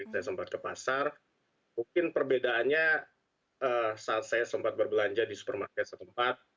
saya sempat ke pasar mungkin perbedaannya saat saya sempat berbelanja di supermarket setempat